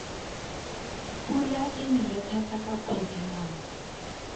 Pula e nele thata ka kgwedi mang?